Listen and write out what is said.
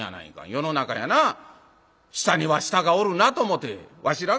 世の中にはな下には下がおるなと思てわしらがうれしな」。